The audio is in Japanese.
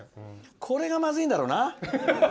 これがまずいんだろうな。